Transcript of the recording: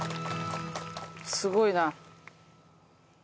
すごいな。